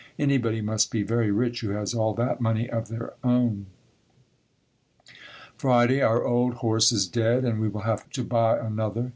Anybody must be very rich who has all that money of their own. Friday. Our old horse is dead and we will have to buy another.